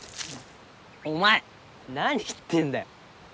お前何言ってんだよ。